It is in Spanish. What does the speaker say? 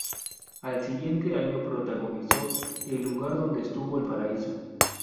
Al siguiente año protagonizó "El lugar donde estuvo el paraíso".